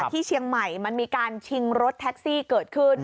ที่เชียงใหม่มันมีการชิงรถแท็กซี่เกิดขึ้น